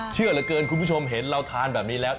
เชื่อเหลือเกินคุณผู้ชมเห็นเราทานแบบนี้แล้ว